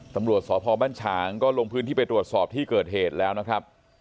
ตำรวจสพบ้านฉางก็ลงพื้นที่ไปตรวจสอบที่เกิดเหตุแล้วนะครับ